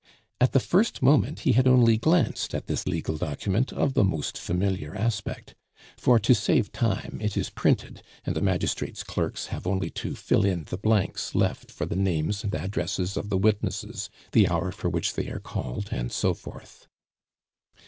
At the first moment he had only glanced at this legal document of the most familiar aspect; for, to save time, it is printed, and the magistrates' clerks have only to fill in the blanks left for the names and addresses of the witnesses, the hour for which they are called, and so forth.